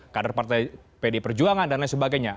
kader partai pd perjuangan dan lain sebagainya